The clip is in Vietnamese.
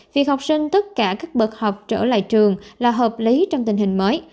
việc học sinh tất cả các bậc học trở lại trường là hợp lý trong tình hình mới